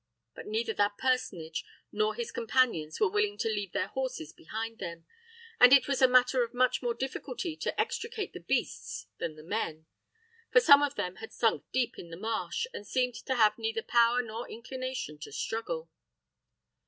But neither that personage nor his companions were willing to leave their horses behind them, and it was a matter of much more difficulty to extricate the beasts than the men; for some of them had sunk deep in the marsh, and seemed to have neither power nor inclination to struggle.